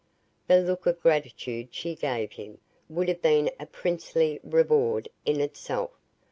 The look of gratitude she gave him would have been a princely reward in itself.